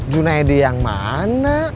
junaedi yang mana